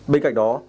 bên cạnh đó